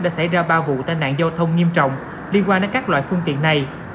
đã xảy ra ba vụ tai nạn giao thông nghiêm trọng liên quan đến các loại phương tiện này